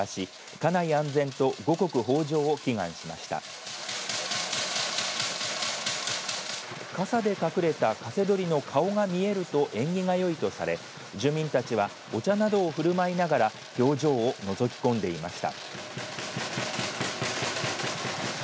かさで隠れたカセドリの顔が見えると縁起がよいとされ住民たちはお茶などをふるまいながら表情をのぞき込んでいました。